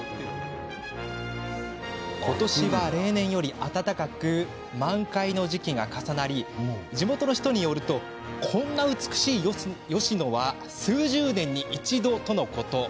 今年は例年より暖かく満開の時期が重なり、地元の人もこんな美しい吉野は数十年に一度とのこと。